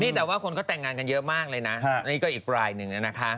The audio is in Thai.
นี่แต่ว่าคนก็แต่งงานกันเยอะมากเลยนะนี่ก็อีกรายหนึ่งนะคะ